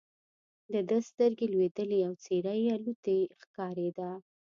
د ده سترګې لوېدلې او څېره یې الوتې ښکارېده.